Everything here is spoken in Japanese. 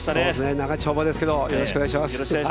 長丁場ですけどよろしくお願いします。